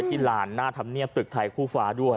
ลานหน้าธรรมเนียบตึกไทยคู่ฟ้าด้วย